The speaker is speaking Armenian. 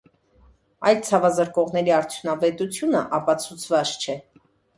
Այլ ցավազրկողների արդյունավետությունը ապացուցված չէ։